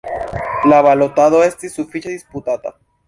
La balotado estis sufiĉe disputata.